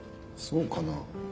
そうかな？